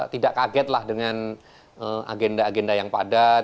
tidak kagetlah dengan agenda agenda yang padat